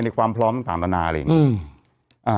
ความพร้อมต่างนานาอะไรอย่างนี้